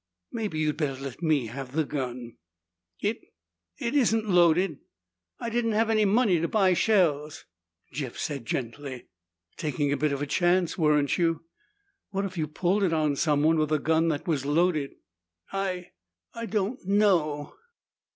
"Maybe you'd better let me have the gun." "It it isn't loaded. I didn't have any money to buy shells!" Jeff said gently, "Taking a bit of a chance, weren't you? What if you'd pulled it on someone with a gun that was loaded?" "I I don't know."